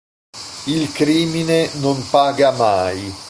Il crimine non paga mai".